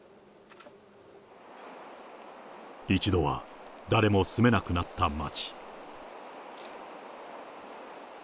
一度は誰も住めなくなった町。